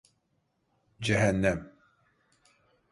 Cehennem.